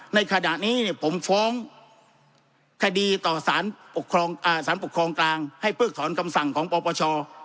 ในขณะนี้ผมฟ้องคดีต่อสารปกครองกลางให้เพิกถอนคำสั่งของปปช